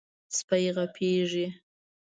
سپي غپېږي.